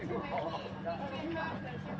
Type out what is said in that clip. พี่สุนัยคิดถึงลูกไหมครับ